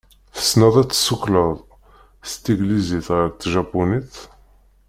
Tessneḍ ad d-tessuqled seg teglizit ɣer tjapunit?